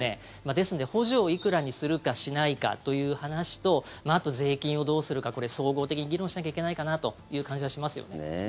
ですので、補助をいくらにするかしないかという話とあと、税金をどうするかこれ、総合的に議論しなきゃいけないかなという感じはしますよね。